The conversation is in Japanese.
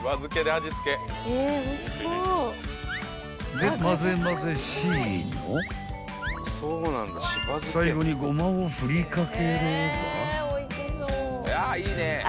［でまぜまぜしいの最後にごまを振り掛ければ］